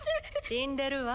死んでるわ。